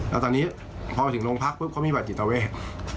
แล้วตอนนี้พอไปถึงโรงพักปุ๊บเขามีบัตรจิตเวท